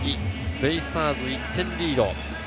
ベイスターズ、１点リード。